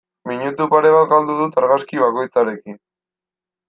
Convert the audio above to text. Minutu pare bat galdu dut argazki bakoitzarekin.